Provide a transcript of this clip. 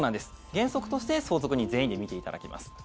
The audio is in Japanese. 原則として相続人全員で見ていただきます。